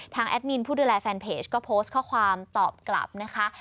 แอดมินผู้ดูแลแฟนเพจก็โพสต์ข้อความตอบกลับนะคะ